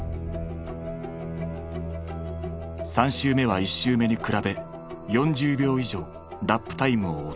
３周目は１周目に比べ４０秒以上ラップタイムを落とした。